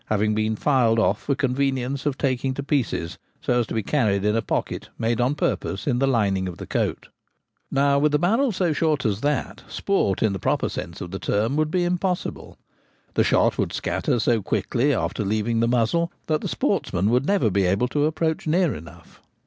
having been filed off for convenience of taking to pieces, so as to be carried in a pocket made on purpose in the lining of the coat Now, with a barrel so short as that, sport, in the proper sense of the term, would be impossible ; the shot would scatter so quickly after leaving the muzzle that the sportsman would never be able to approach near enough.